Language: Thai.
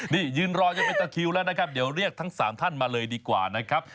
นี่ยืนรอจนเป็นตะคิวแล้วนะครับเดี๋ยวเรียกทั้ง๓ท่านมาเลยดีกว่านะครับ